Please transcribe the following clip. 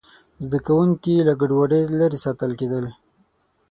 زده کوونکي له ګډوډۍ لرې ساتل کېدل.